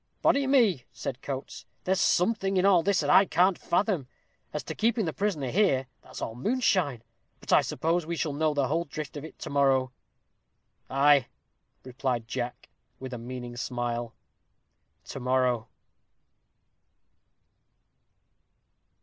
"Body o' me," said Coates, "there's something in all this that I can't fathom. As to keeping the prisoner here, that's all moonshine. But I suppose we shall know the whole drift of it to morrow." "Ay," replied Jack, with a meaning smile, "to morrow!"